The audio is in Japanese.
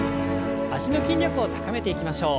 脚の筋力を高めていきましょう。